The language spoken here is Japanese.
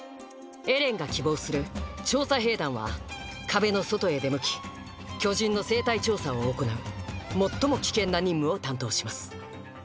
エレンが希望する「調査兵団」は壁の外へ出向き巨人の生態調査を行う最も危険な任務を担当します。